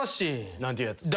何ていうやつ？